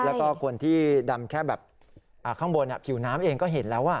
แล้วก็คนที่ดำแค่แบบข้างบนผิวน้ำเองก็เห็นแล้ว